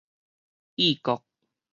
意國